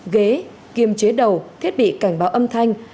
ghế kiêm chế đầu thiết bị cảnh báo âm thanh